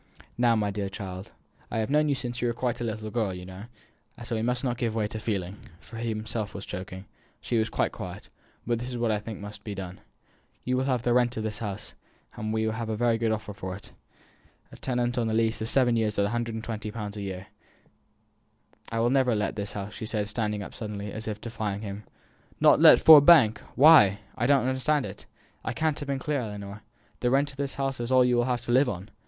"Now, my dear child I have known you since you were quite a little girl, you know we must try not to give way to feeling" he himself was choking; she was quite quiet "but think what is to be done. You will have the rent of this house, and we have a very good offer for it a tenant on lease of seven years at a hundred and twenty pounds a year " "I will never let this house," said she, standing up suddenly, and as if defying him. "Not let Ford Bank! Why? I don't understand it I can't have been clear Ellinor, the rent of this house is all you will have to live on!"